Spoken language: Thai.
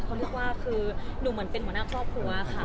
เขาเรียกว่าคือหนูเหมือนเป็นหัวหน้าครอบครัวค่ะ